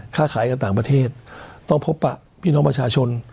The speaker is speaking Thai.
ค่าขายกับต่างประเทศต้องพบปะพี่น้องประชาชน